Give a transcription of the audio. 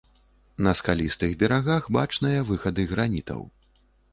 На скалістых берагах бачныя выхады гранітаў.